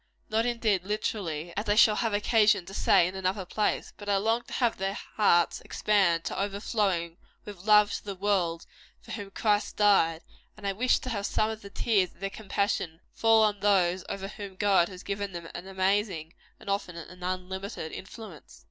Not, indeed, literally, as I shall have occasion to say in another place. But I long to have their hearts expand to overflowing with love to the world for whom Christ died; and I wish to have some of the tears of their compassion fall on those over whom God has given them an amazing, and often an unlimited influence.